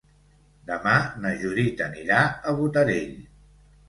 Demà na Judit anirà a Botarell.